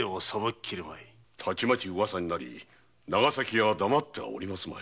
たちまち噂になり長崎屋が黙ってはおりますまい。